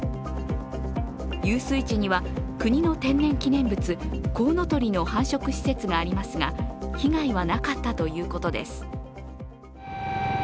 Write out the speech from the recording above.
遊水地には国の天然記念物、こうのとりの繁殖施設がありますが被害はなかったということです。